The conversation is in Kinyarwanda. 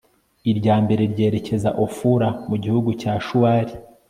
irya mbere ryerekeza ofura mu gihugu cya shuwali